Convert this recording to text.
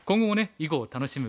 囲碁を楽しむ方々